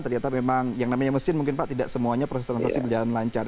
ternyata memang yang namanya mesin mungkin pak tidak semuanya proses transaksi berjalan lancar